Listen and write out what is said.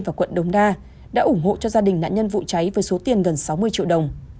và quận đồng đa đã ủng hộ cho gia đình nạn nhân vụ cháy với số tiền gần sáu mươi triệu đồng